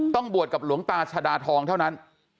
บวชกับหลวงตาชาดาทองเท่านั้น